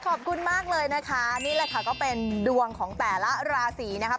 ขอบคุณมากเลยนะคะนี่แหละค่ะก็เป็นดวงของแต่ละราศีนะครับ